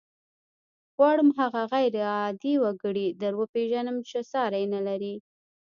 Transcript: غواړم هغه غير عادي وګړی در وپېژنم چې ساری نه لري.